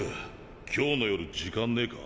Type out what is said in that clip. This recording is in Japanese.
今日の夜時間ねえか？